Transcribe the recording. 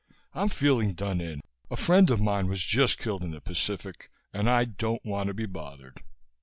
"I'm feeling done in a friend of mine was just killed in the Pacific and I don't want to be bothered."